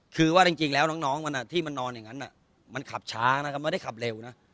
คือว่าจริงแล้วน้องมันที่มันนอนอย่างนั้นมันขับช้านะครับไม่ได้ขับเร็วนะ